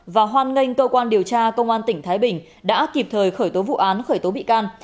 và hoan nghênh cơ quan điều tra công an tỉnh thái bình đã kịp thời khởi tố vụ án khởi tố bị can